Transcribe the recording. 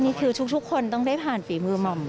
ทุกคนต้องได้ผ่านฝีมือหม่อม